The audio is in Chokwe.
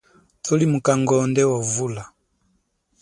Thuli mukangonde wa vula.